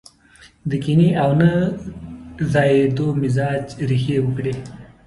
د کينې او نه ځايېدو مزاج ريښې وکړي.